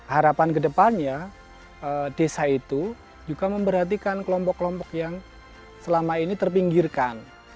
harapan kedepannya desa itu juga memperhatikan kelompok kelompok yang selama ini terpinggirkan